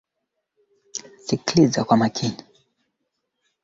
yaliyojulikana katika ustaarabu huo Kwa hiyo hakuna mifano